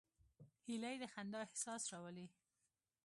هیلۍ د خندا احساس راولي